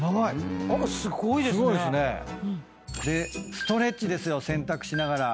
ストレッチですよ洗濯しながら。